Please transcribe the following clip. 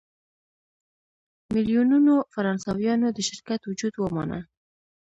میلیونونو فرانسویانو د شرکت وجود ومانه.